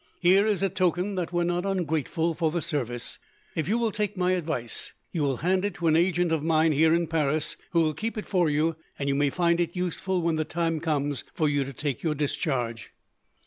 Here is a token that we are not ungrateful for the service. If you will take my advice, you will hand it to an agent of mine here in Paris, who will keep it for you, and you may find it useful when the time comes for you to take your discharge.'